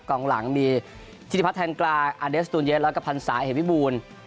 กลางหลังมีชิดิพัฒน์แทนกราอเดสตูนเย็นและกะพันศาเหตุวิบูรณ์